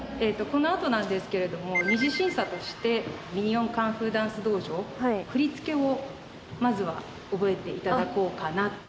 このあとなんですけれども二次審査として「ミニオン・カンフーダンス道場」振り付けをまずは覚えていただこうかな